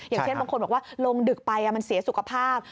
อย่างเช่นบางคนบอกว่าลงดึกไปมันเสียสุขภาพ